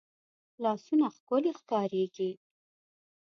لاسونه ښکلې ښکارېږي